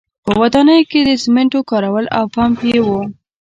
په ودانیو کې د سیمنټو کارول او پمپ یې و